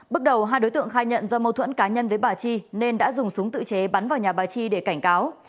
bước đầu hai đối tượng khai nhận do mâu thuẫn cá nhân với bà chi nên đã dùng súng tự chế bắn vào nhà bà chi để cảnh cáo